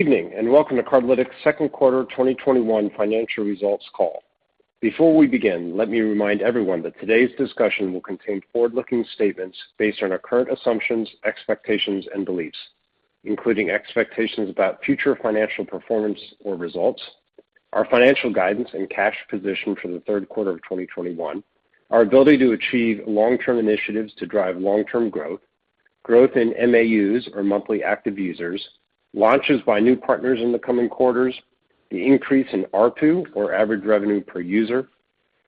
Evening, welcome to Cardlytics' second quarter 2021 financial results call. Before we begin, let me remind everyone that today's discussion will contain forward-looking statements based on our current assumptions, expectations and beliefs, including expectations about future financial performance or results, our financial guidance and cash position for the third quarter of 2021, our ability to achieve long-term initiatives to drive long-term growth, growth In MAUs, or Monthly Active Users, launches by new partners in the coming quarters, the increase in ARPU, or average revenue per user,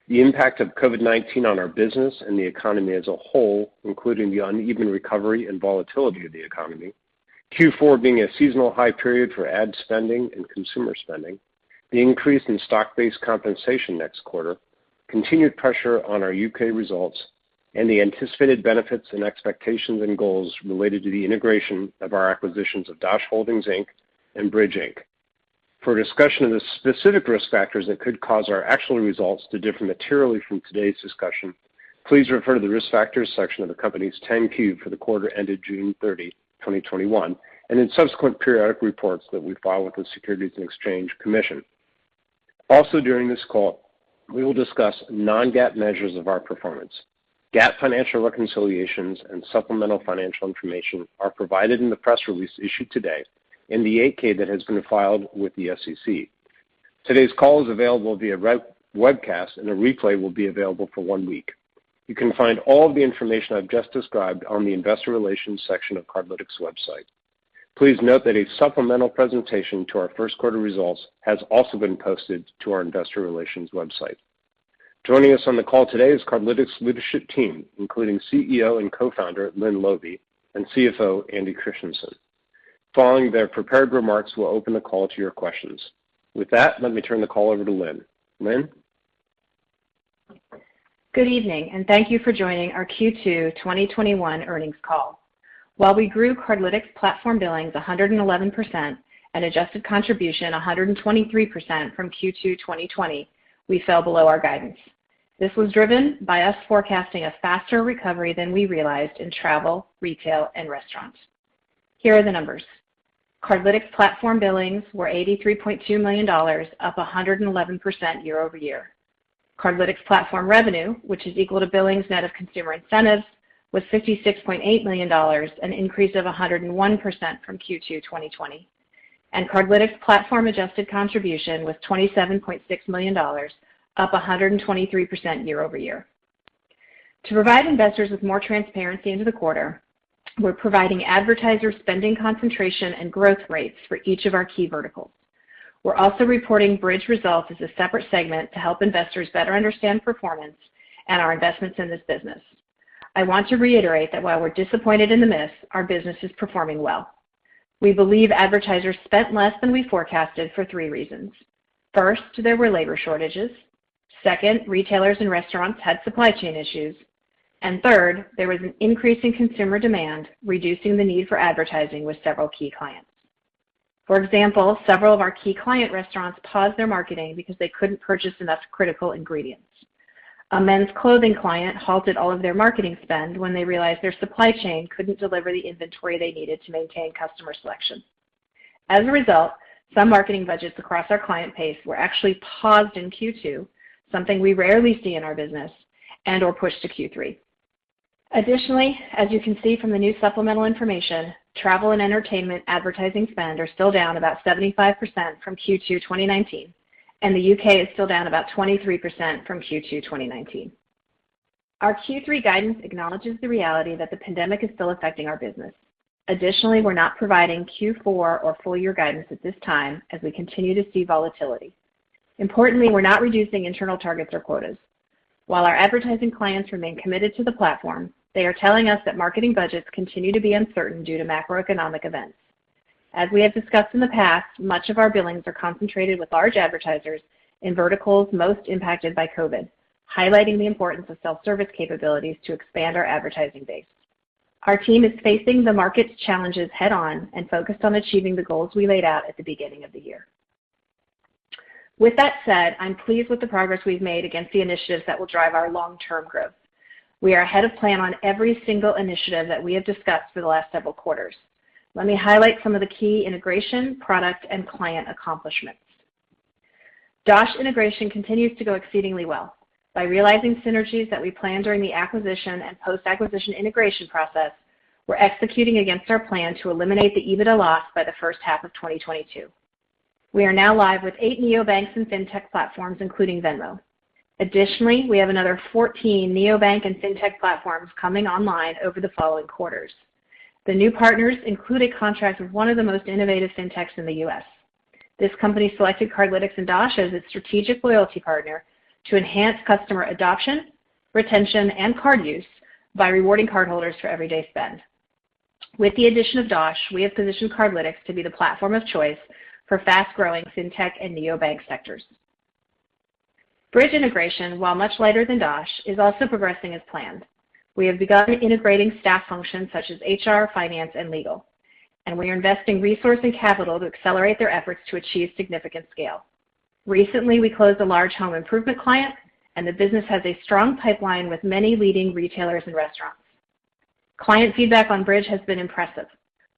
the impact of COVID-19 on our business and the economy as a whole, including the uneven recovery and volatility of the economy, Q4 being a seasonal high period for ad spending and consumer spending, the increase in stock-based compensation next quarter, continued pressure on our U.K. results, and the anticipated benefits in expectations and goals related to the integration of our acquisitions of Dosh Holdings, Inc., and Bridg, Inc. For a discussion of the specific risk factors that could cause our actual results to differ materially from today's discussion, please refer to the Risk Factors section of the company's 10-Q for the quarter ended June 30, 2021, and in subsequent periodic reports that we file with the Securities and Exchange Commission. During this call, we will discuss non-GAAP measures of our performance. GAAP financial reconciliations and supplemental financial information are provided in the press release issued today in the 8-K that has been filed with the SEC. Today's call is available via webcast, and a replay will be available for one week. You can find all the information I've just described on the Investor Relations section of Cardlytics' website. Please note that a supplemental presentation to our first quarter results has also been posted to our Investor Relations website. Joining us on the call today is Cardlytics' leadership team, including CEO and co-founder, Lynne Laube, and CFO, Andy Christiansen. Following their prepared remarks, we'll open the call to your questions. With that, let me turn the call over to Lynne. Lynne? Good evening, and thank you for joining our Q2 2021 earnings call. While we grew Cardlytics platform billings 111%, and Adjusted Contribution 123% from Q2 2020, we fell below our guidance. This was driven by us forecasting a faster recovery than we realized in travel, retail, and restaurants. Here are the numbers. Cardlytics platform billings were $83.2 million, up 111% year-over-year. Cardlytics platform revenue, which is equal to billings net of consumer incentives, was $56.8 million, an increase of 101% from Q2 2020. Cardlytics platform Adjusted Contribution was $27.6 million, up 123% year-over-year. To provide investors with more transparency into the quarter, we're providing advertiser spending concentration and growth rates for each of our key verticals. We're also reporting Bridg results as a separate segment to help investors better understand performance and our investments in this business. I want to reiterate that while we're disappointed in the miss, our business is performing well. We believe advertisers spent less than we forecasted for three reasons. First, there were labor shortages, second, retailers and restaurants had supply chain issues and third, there was an increase in consumer demand, reducing the need for advertising with several key clients. For example, several of our key client restaurants paused their marketing because they couldn't purchase enough critical ingredients. A men's clothing client halted all of their marketing spend when they realized their supply chain couldn't deliver the inventory they needed to maintain customer selection. As a result, some marketing budgets across our client base were actually paused in Q2, something we rarely see in our business, and/or pushed to Q3. Additionally, as you can see from the new supplemental information, travel and entertainment advertising spend are still down about 75% from Q2 2019, and the U.K. is still down about 23% from Q2 2019. Our Q3 guidance acknowledges the reality that the pandemic is still affecting our business. Additionally, we're not providing Q4 or full year guidance at this time as we continue to see volatility. Importantly, we're not reducing internal targets or quotas. While our advertising clients remain committed to the platform, they are telling us that marketing budgets continue to be uncertain due to macroeconomic events. As we have discussed in the past, much of our billings are concentrated with large advertisers in verticals most impacted by COVID, highlighting the importance of self-service capabilities to expand our advertising base. Our team is facing the market's challenges head on and focused on achieving the goals we laid out at the beginning of the year. With that said, I'm pleased with the progress we've made against the initiatives that will drive our long-term growth. We are ahead of plan on every single initiative that we have discussed for the last several quarters. Let me highlight some of the key integration, product, and client accomplishments. Dosh integration continues to go exceedingly well. By realizing synergies that we planned during the acquisition and post-acquisition integration process, we're executing against our plan to eliminate the EBITDA loss by the first half of 2022. We are now live with eight neobanks and fintech platforms, including Venmo. Additionally, we have another 14 neobank and fintech platforms coming online over the following quarters. The new partners include a contract with one of the most innovative fintechs in the U.S. This company selected Cardlytics and Dosh as its strategic loyalty partner to enhance customer adoption, retention, and card use by rewarding cardholders for everyday spend. With the addition of Dosh, we have positioned Cardlytics to be the platform of choice for fast-growing fintech and neobank sectors. Bridg integration, while much lighter than Dosh, is also progressing as planned. We have begun integrating staff functions such as HR, finance, and legal, and we are investing resource and capital to accelerate their efforts to achieve significant scale. Recently, we closed a large home improvement client, and the business has a strong pipeline with many leading retailers and restaurants. Client feedback on Bridg has been impressive.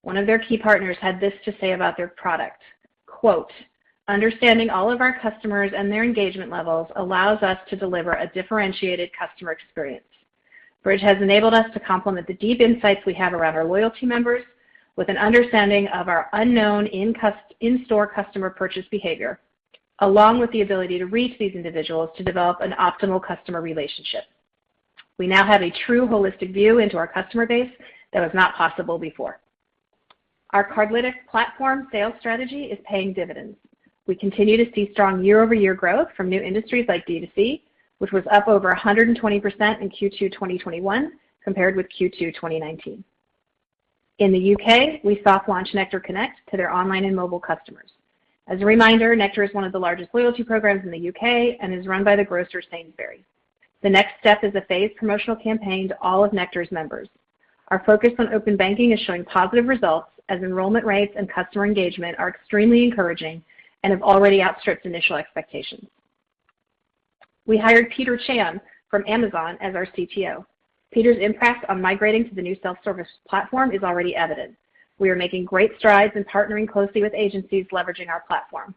One of their key partners had this to say about their product, quote, "Understanding all of our customers and their engagement levels allows us to deliver a differentiated customer experience. Bridg has enabled us to complement the deep insights we have around our loyalty members with an understanding of our unknown in-store customer purchase behavior, along with the ability to reach these individuals to develop an optimal customer relationship. We now have a true holistic view into our customer base that was not possible before." Our Cardlytics platform sales strategy is paying dividends. We continue to see strong year-over-year growth from new industries like D2C, which was up over 120% in Q2 2021 compared with Q2 2019. In the U.K., we soft launched Nectar Connect to their online and mobile customers. As a reminder, Nectar is one of the largest loyalty programs in the U.K. and is run by the grocer Sainsbury's. The next step is a phased promotional campaign to all of Nectar's members. Our focus on open banking is showing positive results, as enrollment rates and customer engagement are extremely encouraging and have already outstripped initial expectations. We hired Peter Chan from Amazon as our CTO. Peter's impact on migrating to the new self-service platform is already evident. We are making great strides in partnering closely with agencies leveraging our platform.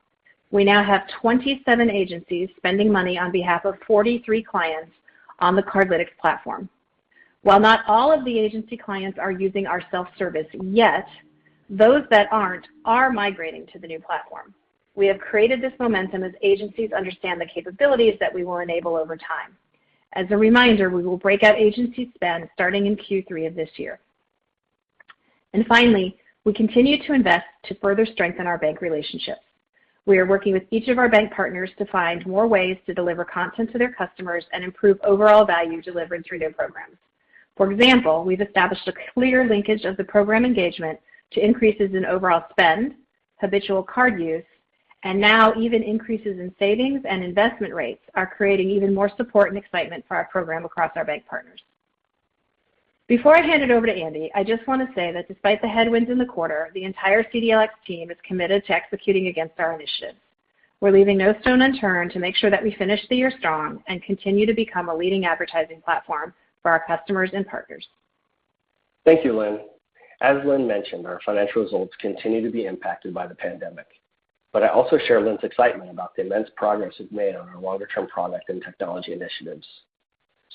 We now have 27 agencies spending money on behalf of 43 clients on the Cardlytics platform. While not all of the agency clients are using our self-service yet, those that aren't are migrating to the new platform. We have created this momentum as agencies understand the capabilities that we will enable over time. As a reminder, we will break out agency spend starting in Q3 of this year. Finally, we continue to invest to further strengthen our bank relationships. We are working with each of our bank partners to find more ways to deliver content to their customers and improve overall value delivered through their programs. For example, we've established a clear linkage of the program engagement to increases in overall spend, habitual card use, and now even increases in savings and investment rates are creating even more support and excitement for our program across our bank partners. Before I hand it over to Andy, I just want to say that despite the headwinds in the quarter, the entire CDLX team is committed to executing against our initiatives. We're leaving no stone unturned to make sure that we finish the year strong and continue to become a leading advertising platform for our customers and partners. Thank you, Lynne. As Lynne mentioned, our financial results continue to be impacted by the pandemic, but I also share Lynne's excitement about the immense progress we've made on our longer-term product and technology initiatives.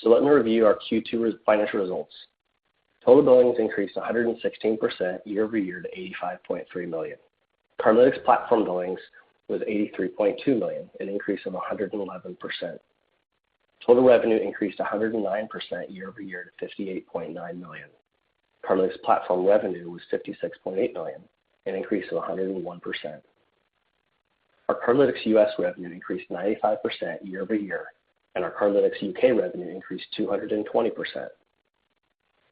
Let me review our Q2 financial results. Total billings increased 116% year-over-year to $85.3 million. Cardlytics platform billings was $83.2 million, an increase of 111%. Total revenue increased 109% year-over-year to $58.9 million. Cardlytics platform revenue was $56.8 million, an increase of 101%. Our Cardlytics U.S. revenue increased 95% year-over-year, and our Cardlytics U.K. revenue increased 220%.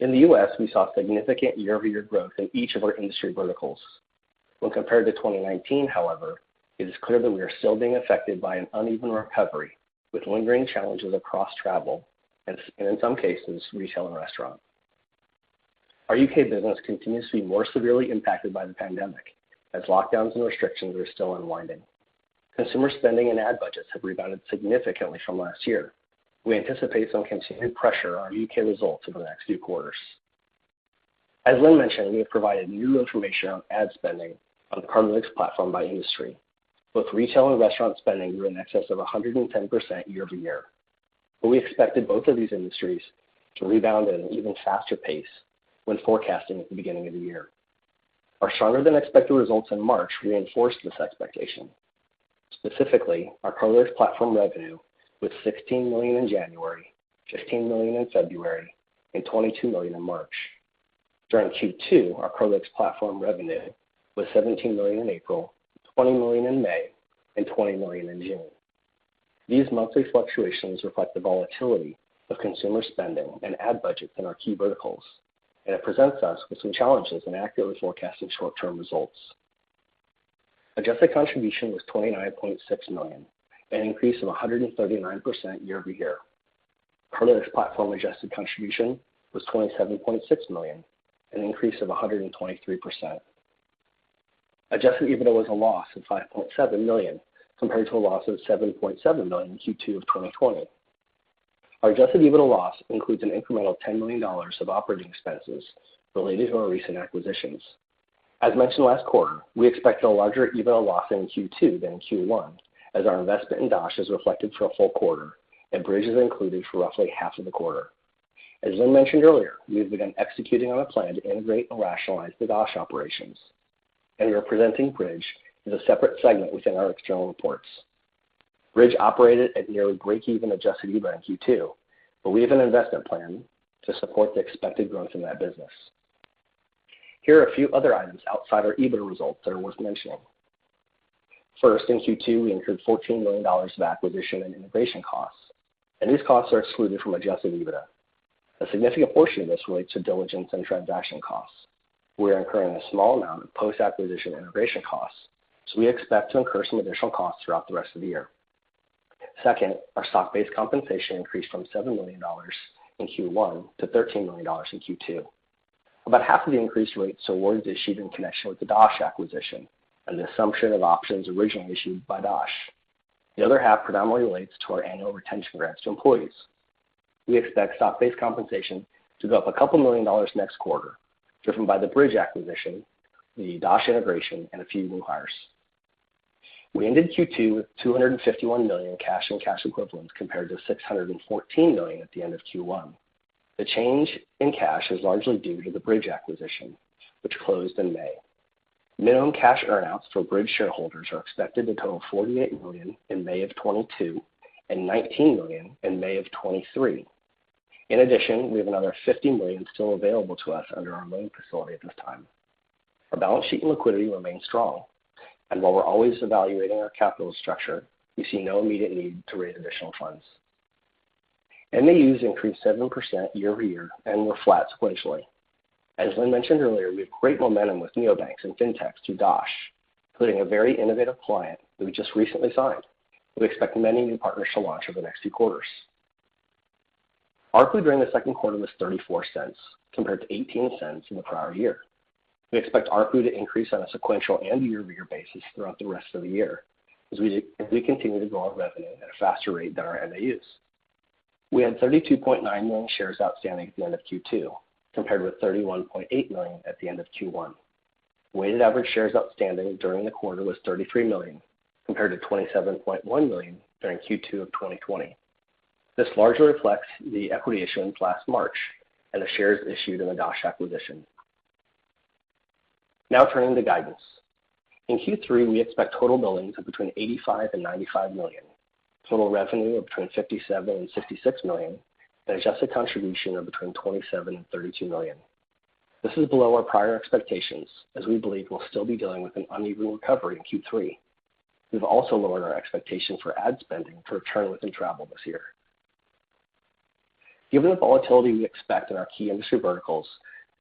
In the U.S., we saw significant year-over-year growth in each of our industry verticals. When compared to 2019, however, it is clear that we are still being affected by an uneven recovery, with lingering challenges across travel and, in some cases, retail and restaurant. Our U.K. business continues to be more severely impacted by the pandemic, as lockdowns and restrictions are still unwinding. Consumer spending and ad budgets have rebounded significantly from last year. We anticipate some continued pressure on our U.K. results in the next few quarters. As Lynne mentioned, we have provided new information on ad spending on the Cardlytics platform by industry. Both retail and restaurant spending were in excess of 110% year-over-year. We expected both of these industries to rebound at an even faster pace when forecasting at the beginning of the year. Our stronger than expected results in March reinforced this expectation. Specifically, our Cardlytics platform revenue was $16 million in January, $15 million in February, and $22 million in March. During Q2, our Cardlytics platform revenue was $17 million in April, $20 million in May, and $20 million in June. These monthly fluctuations reflect the volatility of consumer spending and ad budgets in our key verticals, and it presents us with some challenges in accurately forecasting short-term results. Adjusted Contribution was $29.6 million, an increase of 139% year-over-year. Cardlytics platform Adjusted Contribution was $27.6 million, an increase of 123%. Adjusted EBITDA was a loss of $5.7 million, compared to a loss of $7.7 million in Q2 of 2020. Our Adjusted EBITDA loss includes an incremental $10 million of operating expenses related to our recent acquisitions. As mentioned last quarter, we expected a larger EBITDA loss in Q2 than in Q1, as our investment in Dosh is reflected for a full quarter and Bridg is included for roughly half of the quarter. As Lynne mentioned earlier, we have begun executing on a plan to integrate and rationalize the Dosh operations. We are presenting Bridg as a separate segment within our external reports. Bridg operated at nearly breakeven Adjusted EBITDA in Q2. We have an investment plan to support the expected growth in that business. Here are a few other items outside our EBITDA results that are worth mentioning. First, in Q2, we incurred $14 million of acquisition and integration costs. These costs are excluded from Adjusted EBITDA. A significant portion of this relates to diligence and transaction costs. We are incurring a small amount of post-acquisition integration costs. We expect to incur some additional costs throughout the rest of the year. Second, our stock-based compensation increased from $7 million in Q1 to $13 million in Q2. About half of the increase relates to awards issued in connection with the Dosh acquisition and the assumption of options originally issued by Dosh. The other half predominantly relates to our annual retention grants to employees. We expect stock-based compensation to go up a couple million dollars next quarter, driven by the Bridg acquisition, the Dosh integration, and a few new hires. We ended Q2 with $251 million in cash and cash equivalents compared to $614 million at the end of Q1. The change in cash is largely due to the Bridg acquisition, which closed in May. Minimum cash earn-outs for Bridg shareholders are expected to total $48 million in May of 2022 and $19 million in May of 2023. In addition, we have another $50 million still available to us under our loan facility at this time. Our balance sheet and liquidity remain strong. While we're always evaluating our capital structure, we see no immediate need to raise additional funds. MAUs increased 7% year-over-year and were flat sequentially. As Lynne mentioned earlier, we have great momentum with neobanks and fintechs through Dosh, including a very innovative client who we just recently signed. We expect many new partners to launch over the next few quarters. ARPU during the second quarter was $0.34 compared to $0.18 in the prior year. We expect ARPU to increase on a sequential and year-over-year basis throughout the rest of the year, as we continue to grow our revenue at a faster rate than our MAUs. We had 32.9 million shares outstanding at the end of Q2, compared with 31.8 million at the end of Q1. Weighted average shares outstanding during the quarter was 33 million, compared to 27.1 million during Q2 2020. This largely reflects the equity issuance last March and the shares issued in the Dosh acquisition. Now turning to guidance. In Q3, we expect total billings of between $85 million-$95 million, total revenue of between $57 million-$66 million, and Adjusted Contribution of between $27 million-$32 million. This is below our prior expectations, as we believe we'll still be dealing with an uneven recovery in Q3. We've also lowered our expectations for ad spending for return within travel this year. Given the volatility we expect in our key industry verticals,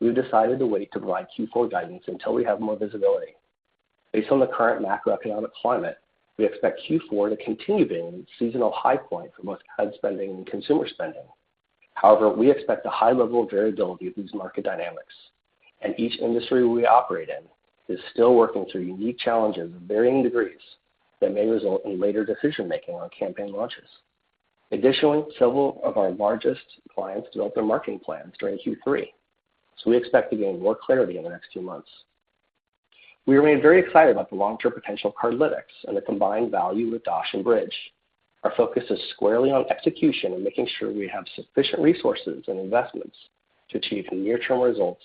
we've decided to wait to provide Q4 guidance until we have more visibility. Based on the current macroeconomic climate, we expect Q4 to continue being a seasonal high point for most ad spending and consumer spending. However, we expect a high level of variability with these market dynamics, and each industry we operate in is still working through unique challenges of varying degrees that may result in later decision-making on campaign launches. Additionally, several of our largest clients develop their marketing plans during Q3, so we expect to gain more clarity in the next few months. We remain very excited about the long-term potential of Cardlytics and the combined value with Dosh and Bridg. Our focus is squarely on execution and making sure we have sufficient resources and investments to achieve near-term results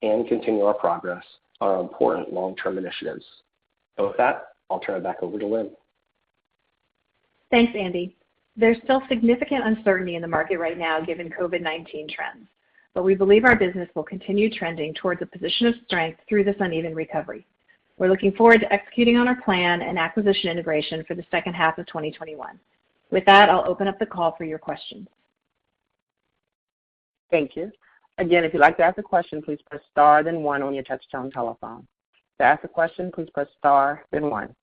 and continue our progress on our important long-term initiatives. With that, I'll turn it back over to Lynne Laube. Thanks, Andy. There's still significant uncertainty in the market right now, given COVID-19 trends, but we believe our business will continue trending towards a position of strength through this uneven recovery. We're looking forward to executing on our plan and acquisition integration for the second half of 2021. With that, I'll open up the call for your questions. Thank you. Again if you like to want to ask a question please press star then one on your touch-tone telephone. To ask a question please press star and one.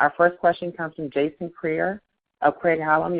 Our first question comes from Jason Kreyer of Craig-Hallum.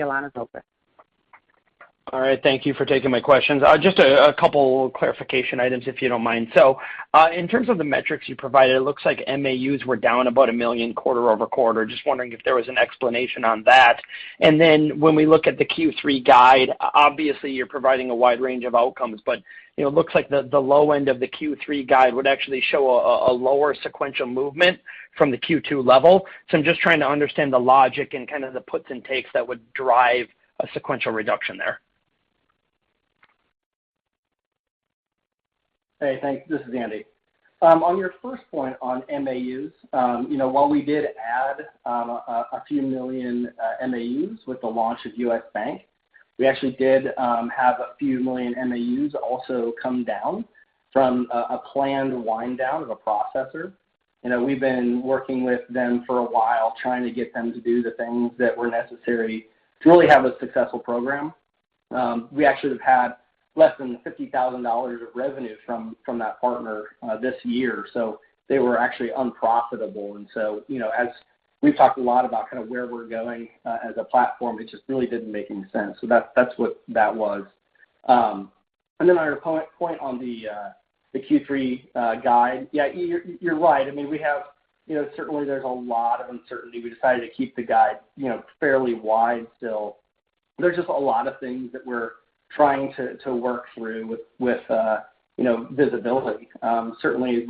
All right. Thank you for taking my questions. Just a couple clarification items, if you don't mind. In terms of the metrics you provided, it looks like MAUs were down about 1 million quarter-over-quarter. Just wondering if there was an explanation on that. When we look at the Q3 guide, obviously you're providing a wide range of outcomes, but it looks like the low end of the Q3 guide would actually show a lower sequential movement from the Q2 level. I'm just trying to understand the logic and kind of the puts and takes that would drive a sequential reduction there. Hey, thanks. This is Andy. On your first point on MAUs, while we did add a few million MAUs with the launch of U.S. Bank, we actually did have a few million MAUs also come down from a planned wind down of a processor. We've been working with them for a while, trying to get them to do the things that were necessary to really have a successful program. We actually have had less than $50,000 of revenue from that partner this year. They were actually unprofitable, and so as we've talked a lot about kind of where we're going as a platform, it just really didn't make any sense. That's what that was. On your point on the Q3 guide, yeah, you're right. Certainly, there's a lot of uncertainty. We decided to keep the guide fairly wide still. There's just a lot of things that we're trying to work through with visibility. Certainly,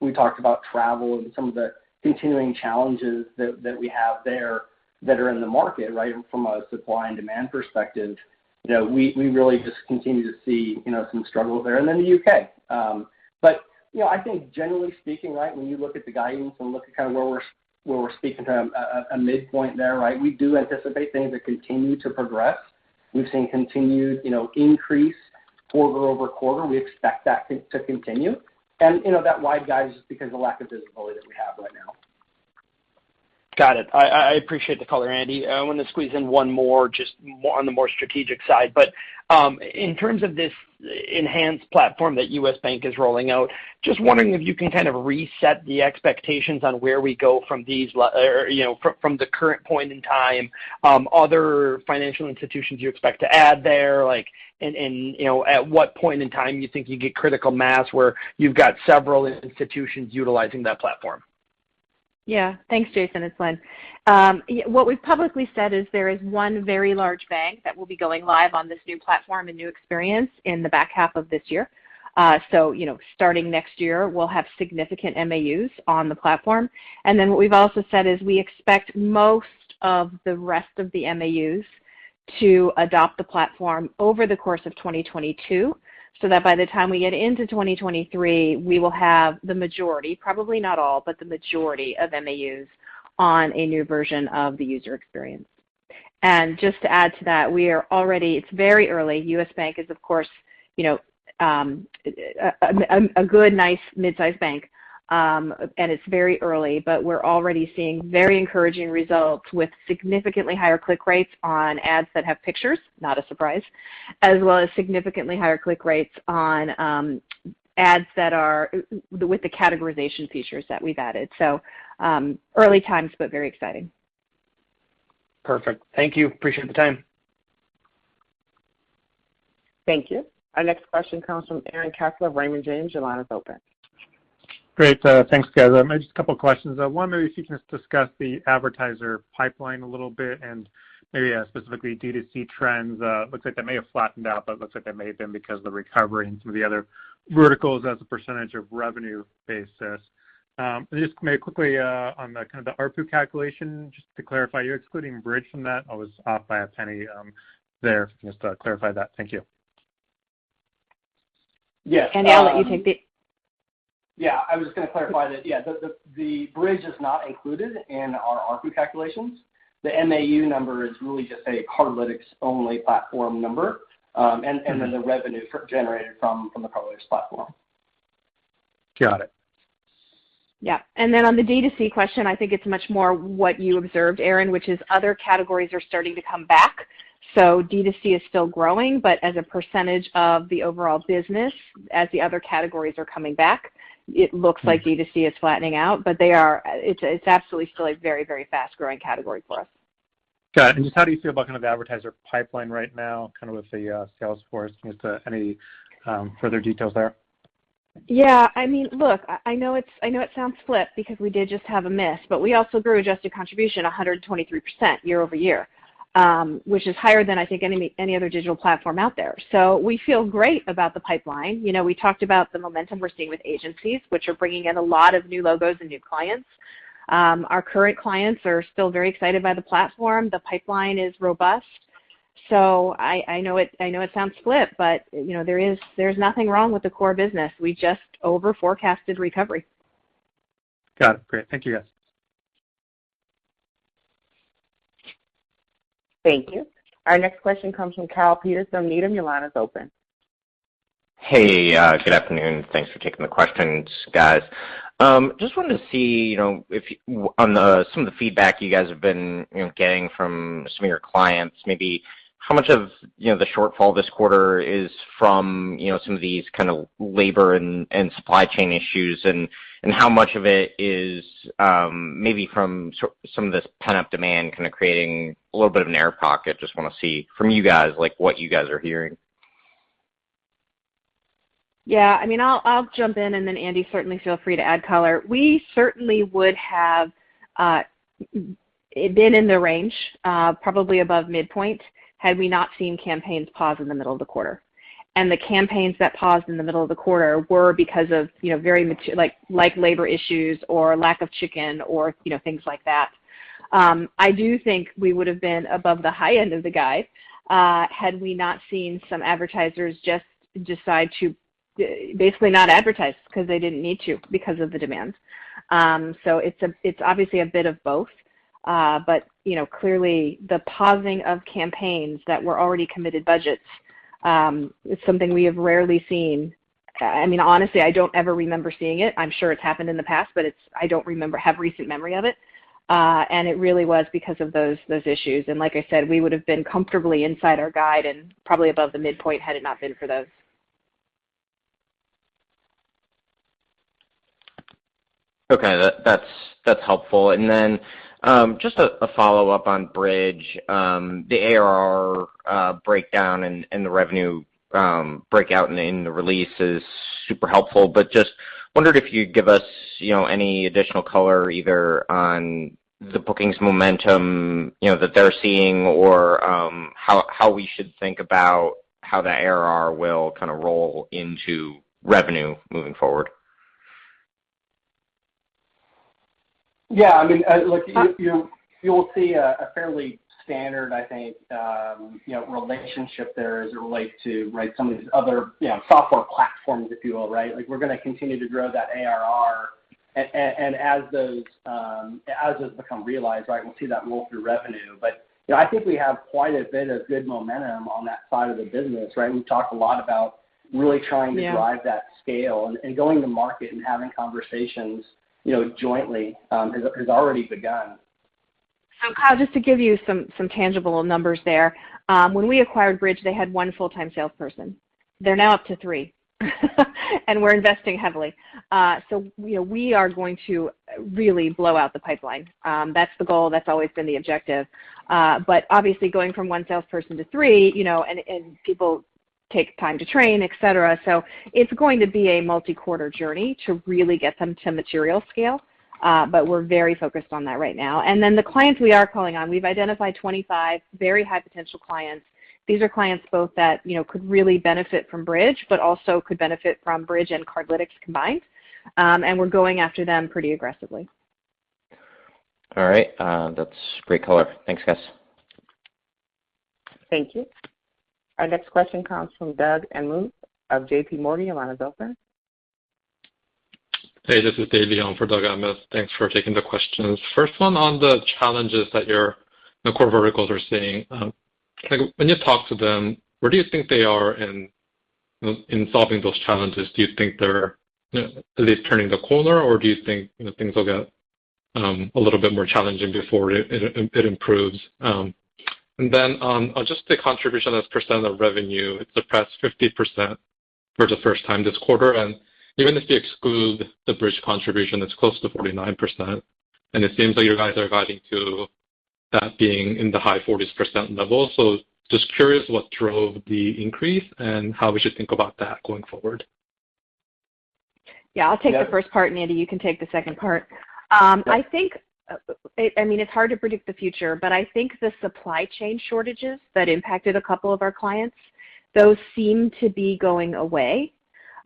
we talked about travel and some of the continuing challenges that we have there that are in the market, right from a supply and demand perspective. We really just continue to see some struggles there, and then the U.K. I think generally speaking, when you look at the guidance and look at where we're speaking from a midpoint there, we do anticipate things to continue to progress. We've seen continued increase quarter-over-quarter. We expect that to continue, and that wide guide is just because of lack of visibility that we have right now. Got it. I appreciate the color, Andy. I want to squeeze in one more, just on the more strategic side, but in terms of this enhanced platform that U.S. Bank is rolling out, just wondering if you can kind of reset the expectations on where we go from the current point in time, other financial institutions you expect to add there, and at what point in time you think you get critical mass where you've got several institutions utilizing that platform? Thanks, Jason. It's Lynne. We've publicly said there is 1 very large bank that will be going live on this new platform and new experience in the back half of this year. Starting next year, we'll have significant MAUs on the platform. We've also said we expect most of the rest of the MAUs to adopt the platform over the course of 2022, so that by the time we get into 2023, we will have the majority, probably not all, but the majority of MAUs on a new version of the user experience. Just to add to that, it's very early. U.S. Bank is, of course, a good, nice midsize bank, and it's very early, but we're already seeing very encouraging results with significantly higher click rates on ads that have pictures, not a surprise, as well as significantly higher click rates on ads with the categorization features that we've added. Early times, but very exciting. Perfect. Thank you. Appreciate the time. Thank you. Our next question comes from Aaron Kessler, Raymond James. Your line is open. Great. Thanks, guys just a couple of questions, maybe if you can just discuss the advertiser pipeline a little bit and maybe specifically D2C trends. Looks like that may have flattened out, but looks like that may have been because of the recovery and some of the other verticals as a percentage of revenue basis. Just maybe quickly on the kind of the ARPU calculation, just to clarify, you're excluding Bridg from that? I was off by $0.01 there, just to clarify that. Thank you. Andy, I'll let you take. Yeah, I was going to clarify that, yeah. The Bridg is not included in our ARPU calculations. The MAU number is really just a Cardlytics-only platform number, and then the revenue generated from the Cardlytics platform. Got it. Yeah. On the D2C question, I think it's much more what you observed, Aaron, which is other categories are starting to come back. D2C is still growing, but as a percentage of the overall business, as the other categories are coming back, it looks like D2C is flattening out, but it's absolutely still a very, very fast-growing category for us. Got it. Just how do you feel about kind of the advertiser pipeline right now, kind of with the sales force? Just any further details there? Yeah, look, I know it sounds flip because we did just have a miss, but we also grew Adjusted Contribution 123% year-over-year, which is higher than I think any other digital platform out there. We feel great about the pipeline. We talked about the momentum we're seeing with agencies, which are bringing in a lot of new logos and new clients. Our current clients are still very excited by the platform. The pipeline is robust. I know it sounds flip, but there's nothing wrong with the core business. We just overforecasted recovery. Got it. Great. Thank you, guys. Thank you. Our next question comes from Kyle Peterson, Needham. Your line is open. Hey, good afternoon. Thanks for taking the questions, guys. Just wanted to see on some of the feedback you guys have been getting from some of your clients, maybe how much of the shortfall this quarter is from some of these kind of labor and supply chain issues, and how much of it is maybe from some of this pent-up demand kind of creating a little bit of an air pocket? Just want to see from you guys, what you guys are hearing. Yeah. I'll jump in and then Andy, certainly feel free to add color. We certainly would have been in the range, probably above midpoint, had we not seen campaigns pause in the middle of the quarter. The campaigns that paused in the middle of the quarter were because of labor issues or lack of chicken or things like that. I do think we would've been above the high end of the guide had we not seen some advertisers just decide to basically not advertise because they didn't need to because of the demand. It's obviously a bit of both. Clearly the pausing of campaigns that were already committed budgets is something we have rarely seen. Honestly, I don't ever remember seeing it. I'm sure it's happened in the past, but I don't have recent memory of it. It really was because of those issues. Like I said, we would've been comfortably inside our guide and probably above the midpoint had it not been for those. Okay. That's helpful. Just a follow-up on Bridg. The ARR breakdown and the revenue breakout in the release is super helpful, but just wondered if you'd give us any additional color either on the bookings momentum that they're seeing or how we should think about how the ARR will kind of roll into revenue moving forward. Yeah. Look, you'll see a fairly standard, I think, relationship there as it relates to some of these other software platforms, if you will, right? We're going to continue to grow that ARR, and as those become realized, we'll see that roll through revenue. I think we have quite a bit of good momentum on that side of the business, right? We've talked a lot about really trying to drive that scale and going to market and having conversations jointly has already begun. Kyle, just to give you some tangible numbers there. When we acquired Bridg, they had one full-time salesperson. They're now up to three and we're investing heavily. We are going to really blow out the pipeline. That's the goal. That's always been the objective. Obviously going from one salesperson to three and people take time to train, et cetera. It's going to be a multi-quarter journey to really get them to material scale. We're very focused on that right now. The clients we are calling on, we've identified 25 very high potential clients. These are clients both that could really benefit from Bridg, but also could benefit from Bridg and Cardlytics combined. We're going after them pretty aggressively. All right. That's great color. Thanks, guys. Thank you. Our next question comes from Doug Anmuth of JP Morgan. Your line is open. Hey, this is David Long for Doug Anmuth. Thanks for taking the questions. First one on the challenges that your core verticals are seeing. When you talk to them, where do you think they are in solving those challenges? Do you think they're at least turning the corner, or do you think things will get a little bit more challenging before it improves? Then on just the contribution as a percent of revenue, it's suppressed 50% for the first time this quarter. Even if you exclude the Bridg contribution, it's close to 49%. It seems like you guys are guiding to that being in the high 40s% level. Just curious what drove the increase and how we should think about that going forward. Yeah, I'll take the first part. Andy, you can take the second part. It's hard to predict the future, but I think the supply chain shortages that impacted a couple of our clients, those seem to be going away,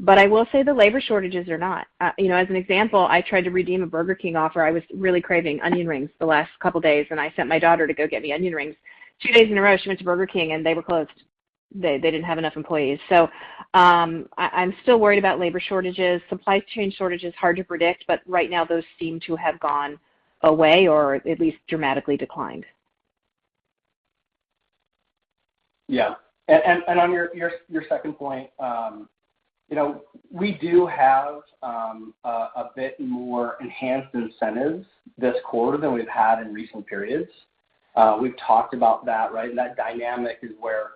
but I will say the labor shortages are not. As an example, I tried to redeem a Burger King offer, I was really craving onion rings the last couple days, and I sent my daughter to go get me onion rings. Two days in a row, she went to Burger King, and they were closed. They didn't have enough employees. I'm still worried about labor shortages. Supply chain shortage is hard to predict, but right now those seem to have gone away or at least dramatically declined. Yeah. On your second point, we do have a bit more enhanced incentives this quarter than we've had in recent periods. We've talked about that dynamic is where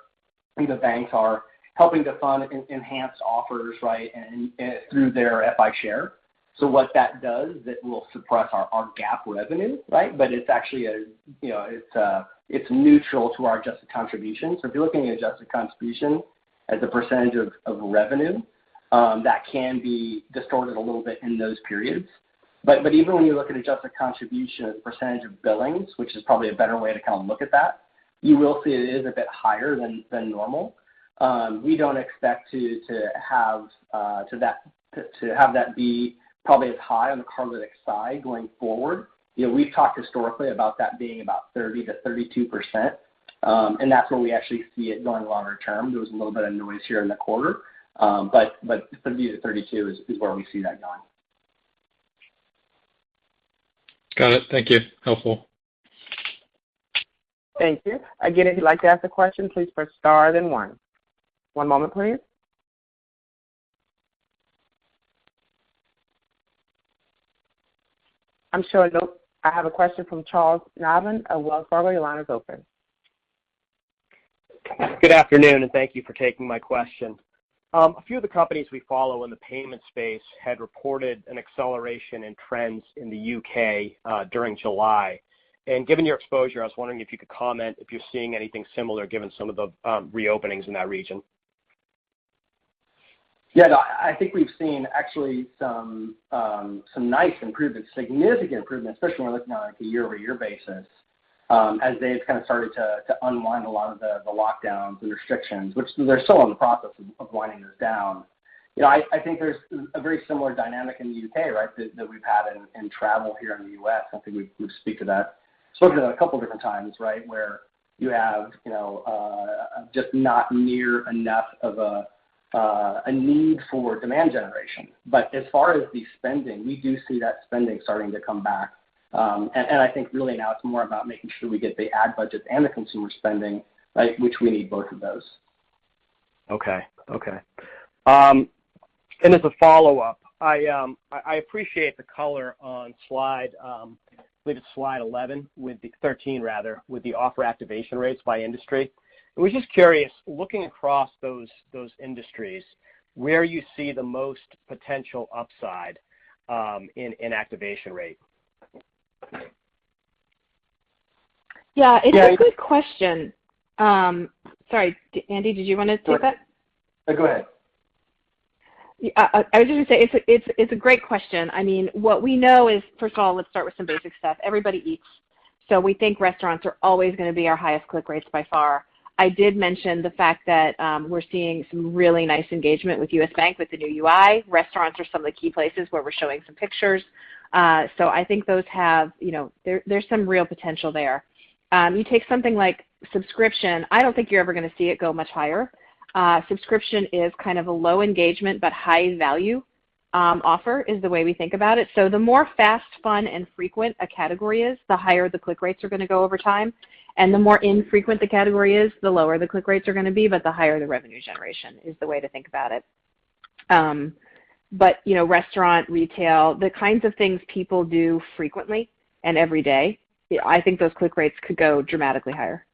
the banks are helping to fund enhanced offers through their FI share. What that does, that will suppress our GAAP revenue. It's neutral to our Adjusted Contribution. If you're looking at Adjusted Contribution as a percentage of revenue, that can be distorted a little bit in those periods. Even when you look at Adjusted Contribution as a percentage of billings, which is probably a better way to look at that, you will see it is a bit higher than normal. We don't expect to have that be probably as high on the Cardlytics side going forward. We've talked historically about that being about 30%-32%, and that's where we actually see it going longer term. There was a little bit of noise here in the quarter. 30%-32% is where we see that going. Got it. Thank you. Helpful. Thank you. If you'd like to ask a question, please press star then one. One moment, please. I'm showing I have a question from [inaudible] of Wells Fargo. Your line is open. Good afternoon, and thank you for taking my question. A few of the companies we follow in the payment space had reported an acceleration in trends in the U.K. during July. Given your exposure, I was wondering if you could comment if you're seeing anything similar given some of the reopenings in that region. No, I think we've seen actually some nice improvements, significant improvements, especially when we're looking on a year-over-year basis as they've started to unwind a lot of the lockdowns and restrictions, which they're still in the process of winding this down. I think there's a very similar dynamic in the U.K. that we've had in travel here in the U.S., something we've speak of that. We've spoken about a couple different times, where you have just not near enough of a need for demand generation. As far as the spending, we do see that spending starting to come back. I think really now it's more about making sure we get the ad budgets and the consumer spending, which we need both of those. Okay. As a follow-up, I appreciate the color on slide 13 with the offer activation rates by industry. I was just curious, looking across those industries, where you see the most potential upside in activation rate? Yeah, it's a good question. Sorry, Andy, did you want to take that? No, go ahead. I was just going to say it's a great question. What we know is, first of all, let's start with some basic stuff. Everybody eats. We think restaurants are always going to be our highest click rates by far. I did mention the fact that we're seeing some really nice engagement with U.S. Bank, with the new UI. Restaurants are some of the key places where we're showing some pictures. I think there's some real potential there. You take something like subscription, I don't think you're ever going to see it go much higher. Subscription is kind of a low engagement but high value offer, is the way we think about it. The more fast, fun, and frequent a category is, the higher the click rates are going to go over time. The more infrequent the category is, the lower the click rates are going to be, but the higher the revenue generation is the way to think about it. Restaurant, retail, the kinds of things people do frequently and every day, I think those click rates could go dramatically higher.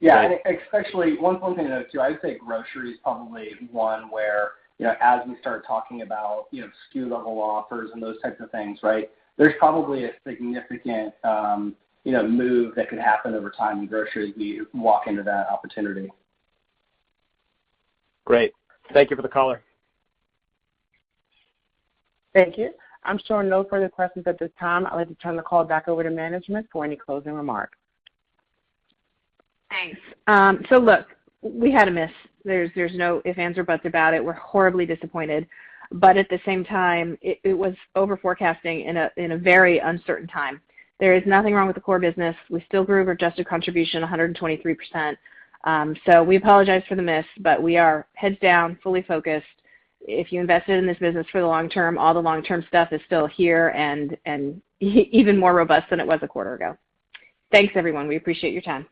Yeah, especially one thing to note, too, I would say grocery is probably one where, as we start talking about SKU level offers and those types of things, there's probably a significant move that could happen over time in grocery as we walk into that opportunity. Great. Thank you for the color. Thank you. I'm showing no further questions at this time. I'd like to turn the call back over to management for any closing remarks. Look, we had a miss. There's no ifs, ands, or buts about it. We're horribly disappointed. At the same time, it was over-forecasting in a very uncertain time. There is nothing wrong with the core business. We still grew our Adjusted Contribution 123%. We apologize for the miss, but we are heads down, fully focused. If you invested in this business for the long term, all the long-term stuff is still here and even more robust than it was a quarter ago. Thanks, everyone. We appreciate your time.